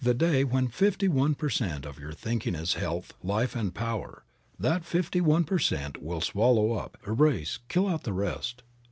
When fifty one per cent, of your thinking is health and life and power, that day the fifty one per cent, will swallow up, erase, kill out the rest.